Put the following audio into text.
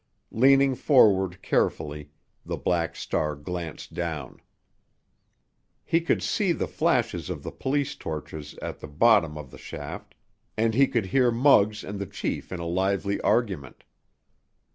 Leaning forward carefully, the Black Star glanced down. He could see the flashes of the police torches at the bottom of the shaft, and he could hear Muggs and the chief in a lively argument.